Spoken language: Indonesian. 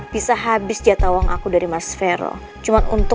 baru aku pulang